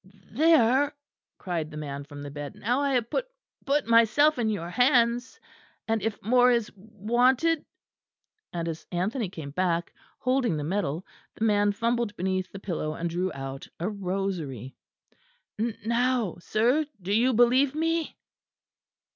"Th there," cried the man from the bed, "now I have p put myself in your hands and if more is w wanted " and as Anthony came back holding the medal, the man fumbled beneath the pillow and drew out a rosary. "N now, sir, do you believe me?"